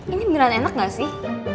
ini milan enak gak sih